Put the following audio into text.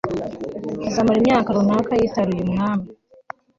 azamara imyaka runaka yitaruye umwami